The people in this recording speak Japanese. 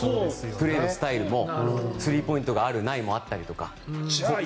プレーのスタイルもスリーポイントがある、ないがあったりとか。